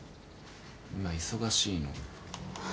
今忙しいの。